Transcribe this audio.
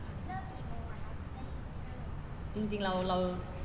เริ่มปีโบสถ์ว่าจะได้ยังไงครับ